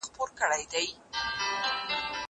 زه بايد ږغ واورم!!